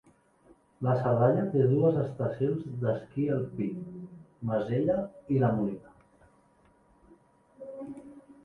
La Cerdanya te dues estacions d'esquí alpí Masella i La Molina.